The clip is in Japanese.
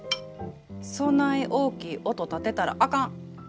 そない大きい音立てたらあかん！